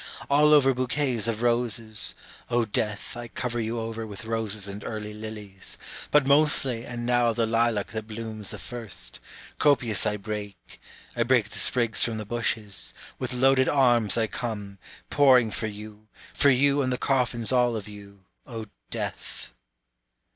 All over bouquets of roses, O death, I cover you over with roses and early lilies, But mostly and now the lilac that blooms the first, Copious I break, I break the sprigs from the bushes, With loaded arms I come, pouring for you, For you and the coffins all of you, O death.)